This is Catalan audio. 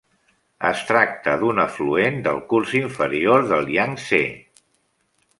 Es tracta d'un afluent del curs inferior del Iang-Tsé.